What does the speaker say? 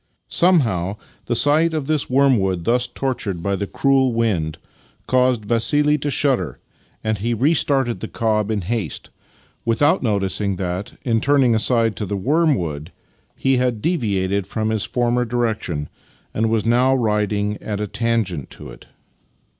Somehow the sight of this wormwood thus tortured by the cruel wind caused Vassili to shudder, and he re started the cob Master and Man 53 in haste, without noticing that, in turning aside to the wormwood, he had deviated from his former direction, and was now riding at a tangent to it.